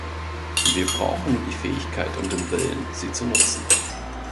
Wir brauchen nur die Fähigkeit und den Willen, sie zu nutzen.